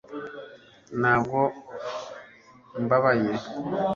ntabwo mbabaye